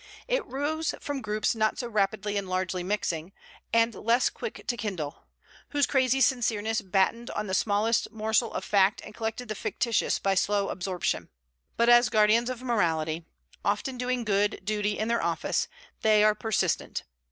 It rose from groups not so rapidly and largely mixing, and less quick to kindle; whose crazy sincereness battened on the smallest morsel of fact and collected the fictitious by slow absorption. But as guardians of morality, often doing good duty in their office, they are persistent.